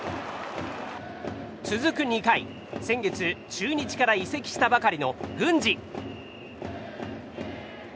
続く２回、先月中日から移籍したばかりの郡司。